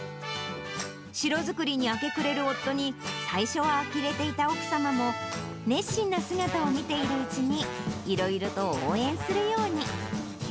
城作りに明け暮れる夫に、最初はあきれていた奥様も、熱心な姿を見ているうちに、いろいろと応援するように。